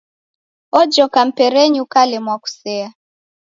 Ojoka mperenyi, ukalemwa ni kusea.